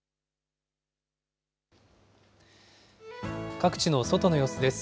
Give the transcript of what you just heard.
各地の外の様子です。